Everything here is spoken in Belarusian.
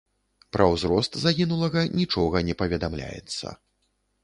Пра ўзрост загінулага нічога не паведамляецца.